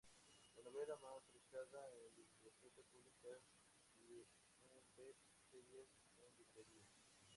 La novela más solicitada en bibliotecas públicas y un best seller en librerías".